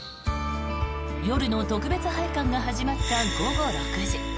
夜の特別拝観が始まった午後６時。